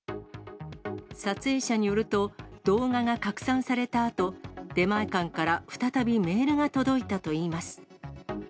撮影者によると、動画が拡散されたあと、出前館から再びメールが届いたといいます。